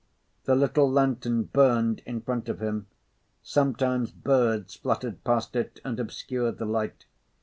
The little lantern burned in front of him. Sometimes birds fluttered past it and obscured the light.